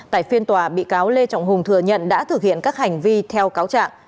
tại phiên tòa bị cáo lê trọng hùng thừa nhận đã thực hiện các hành vi theo cáo trạng